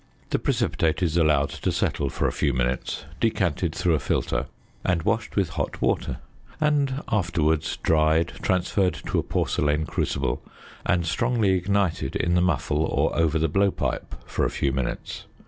The precipitate is allowed to settle for a few minutes, decanted through a filter, and washed with hot water; and, afterwards, dried, transferred to a porcelain crucible, and strongly ignited in the muffle or over the blowpipe for a few minutes.